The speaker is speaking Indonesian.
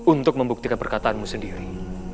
untuk membuktikan perkataanmu sendiri